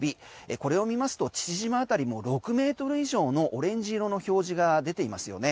これを見ますと父島辺りも６ｍ以上のオレンジ色の表示が出ていますよね。